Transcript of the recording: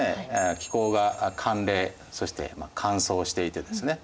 気候が寒冷そして乾燥していてですね